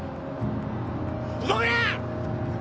動くな！